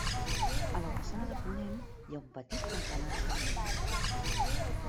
A la façana de ponent hi ha un petit campanar de cadireta.